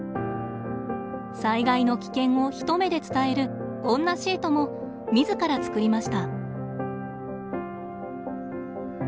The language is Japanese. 災害の危険を一目で伝えるこんなシートも自ら作りました。